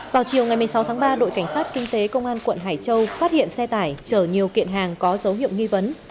vào chiều ngày một mươi sáu tháng ba đội cảnh sát kinh tế công an quận hải châu phát hiện xe tải chở nhiều kiện hàng có dấu hiệu nghi vấn